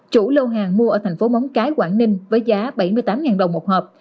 chủ lô hàng mua ở thành phố móng cái quảng ninh với giá bảy mươi tám đồng một hộp